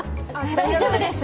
大丈夫です。